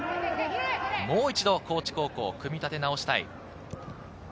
もう一度、高知高校は組み立て直したい。